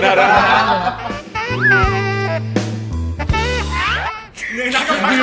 ในหน้าก็พักหน่อย